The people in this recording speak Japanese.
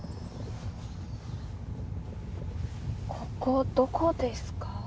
ここどこですか？